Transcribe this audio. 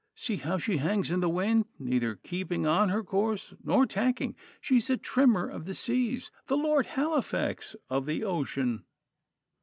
See how she hangs in the wind, neither keeping on her course nor tacking. She is a trimmer of the seas the Lord Halifax of the ocean.